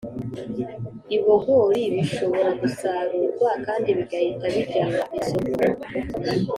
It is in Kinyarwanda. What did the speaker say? Ibogori bishobora gusarurwa kandi bigahita bijyanwa kw’isoko